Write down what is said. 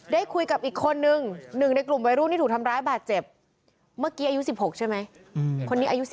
ได้คุยกับอีกคนนึง๑ในกลุ่มวัยรุ่นที่ถูกทำร้ายบาดเจ็บเมื่อกี้อายุ๑๖ใช่ไหมคนนี้อายุ๑๙